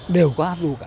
đều có hát ru cả